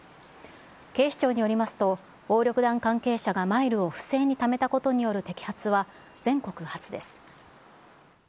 警視庁によりますと、暴力団関係者がマイルを不正にためたことによる摘発は全国初です。